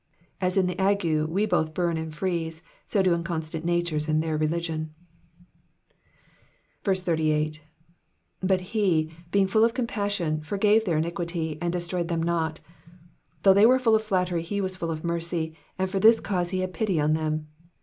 As in the ague we both burn and freeze, so do inconstant natures in their religion. 88. *^But he^ being full of compassion ^ forgave their iniquity ^ and destroyed them not.' ^ Though they were full of flattery, he was full of mercy, and for this cause he had pity on them.